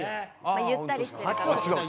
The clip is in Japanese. まあゆったりしてるから。